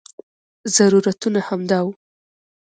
ضرورتونه همدا وو.